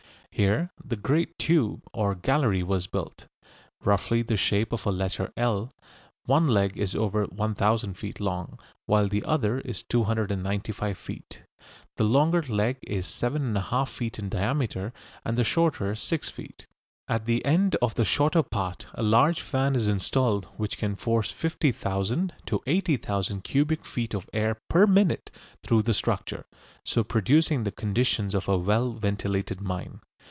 Here the great tube or gallery was built. Roughly the shape of a letter L, one leg is over 1000 feet long, while the other is 295 feet. The longer leg is 7 1/2 feet in diameter and the shorter 6 feet. At the end of the shorter part a large fan is installed which can force 50,000 to 80,000 cubic feet of air per minute through the structure, so producing the conditions of a well ventilated mine.